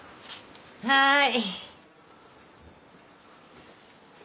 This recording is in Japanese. はい。